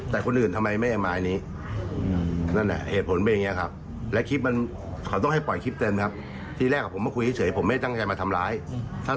แล้วก็ยืนยันแบบนี้ไม่ได้การกันแกล้กใครใดเลยนะ